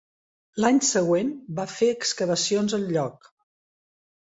L'any següent, va fer excavacions al lloc.